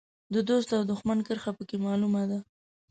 د دوست او دوښمن کرښه په کې معلومه ده.